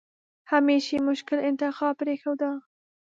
همېش یې مشکل انتخاب پرېښوده.